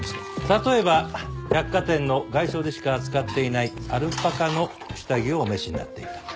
例えば百貨店の外商でしか扱っていないアルパカの下着をお召しになっていた。